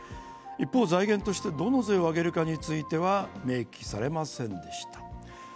一方、財源としてどの税を上げるかについては明記されませんでした。